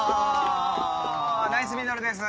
ナイスミドルです。